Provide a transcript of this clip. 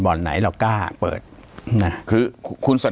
ปากกับภาคภูมิ